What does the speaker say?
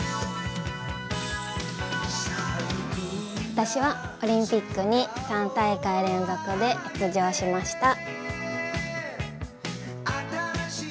私はオリンピックに３大会連続で出場しました。